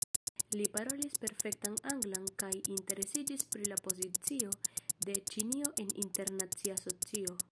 Li parolis perfektan anglan kaj interesiĝis pri la pozicio de Ĉinio en internacia socio.